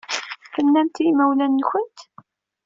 Tennamt i yimawlan-nwent?